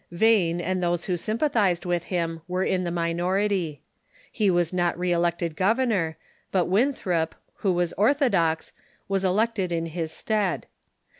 Vane and those who sympa thized with him were in the minority. He was not re elected governor, but Winthrop, who Mas orthodox, was elected in his stead.